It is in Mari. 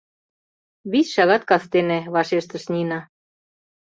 — Вич шагат кастене, — вашештыш Нина.